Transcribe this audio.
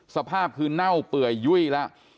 สภาพคือเน่าเปื่อยยุ่ยแล้ว